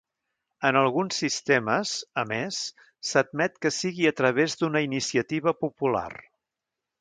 En alguns sistemes, a més, s'admet que sigui a través d'una iniciativa popular.